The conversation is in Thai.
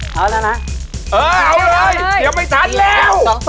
เออเอาเลยเดี๋ยวไม่ทันเร็ว